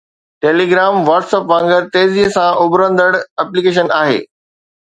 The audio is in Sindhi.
ٽيليگرام واٽس ايپ وانگر تيزيءَ سان اڀرندڙ ايپليڪيشن آهي